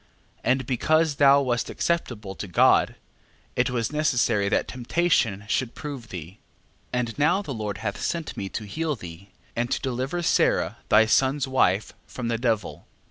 12:13. And because thou wast acceptable to God, it was necessary that temptation should prove thee. 12:14. And now the Lord hath sent me to heal thee, and to deliver Sara thy son's wife from the devil.